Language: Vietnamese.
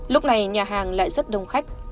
lúc này nhà hàng lại rất đông khách